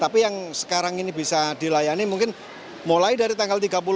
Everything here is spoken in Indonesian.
tapi yang sekarang ini bisa dilayani mungkin mulai dari tanggal tiga puluh